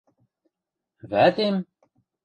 Вӓтем?!